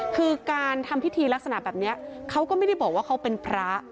คือการทำพิธีลักษณะแบบนี้เขาก็ไม่ได้บอกว่าเขาเป็นพระ